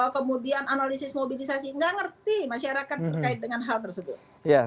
kemudian analisis mobilisasi nggak ngerti masyarakat terkait dengan hal tersebut